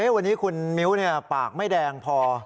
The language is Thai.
วันนี้คุณมิ้วปากไม่แดงพอ